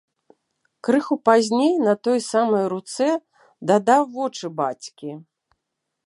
Крыху пазней на той самай руцэ дадаў вочы бацькі.